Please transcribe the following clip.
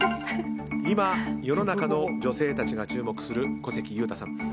今、世の中の女性たちが注目する小関裕太さん。